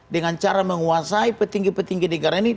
dengan cara menguasai petinggi petinggi negara ini